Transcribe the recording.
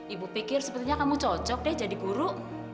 ibu pikir sebetulnya kamu cocok deh jadi guru